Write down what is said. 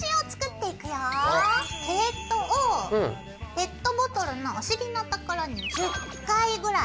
ペットボトルのお尻のところに１０回ぐらい。